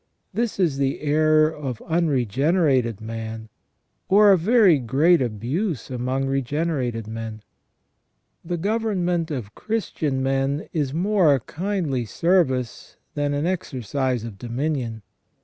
This is the error of unregenerated man, or a very great abuse among regenerated men. The government of Christian men is more a kindly service than an exercise of dominion.